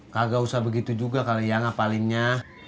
kagak usah begitu juga kali ya ngapalinnya